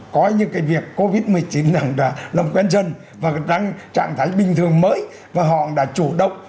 có những cái việc covid một mươi chín làm quen dân và đang trạng thái bình thường mới và họ đã chủ động